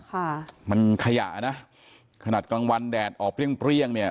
ค่ะมันขยะนะขนาดกลางวันแดดออกเปรี้ยเปรี้ยงเนี่ย